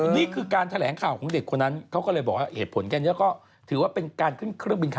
ไม่ใช่ก่อวินัสกรรมแล้วไม่รู้เนี่ย